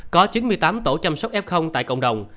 có chín mươi tám tổ chăm sóc f tại cộng đồng